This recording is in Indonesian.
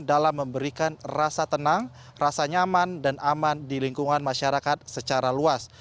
dalam memberikan rasa tenang rasa nyaman dan aman di lingkungan masyarakat secara luas